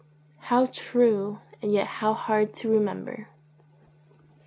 How true, and yet how hard to remember!